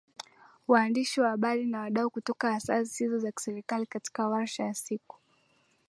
waandishi wa habari na wadau kutoka Asasi Zisizo za Kiserikali katika warsha ya siku